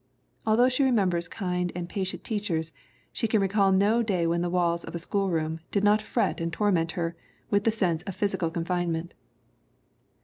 Although she remembers kind and patient teachers she can recall no day when the walls of a schoolroom did not fret and torment her with the sense of physical confine ment.